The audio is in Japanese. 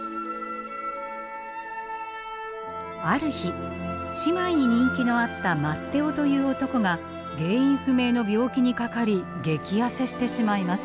ある日姉妹に人気のあったマッテオという男が原因不明の病気にかかり激痩せしてしまいます。